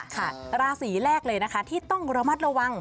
ราศีแรกเลยนะคะที่ต้องระมัดระวัง